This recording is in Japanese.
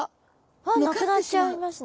あなくなっちゃいますね。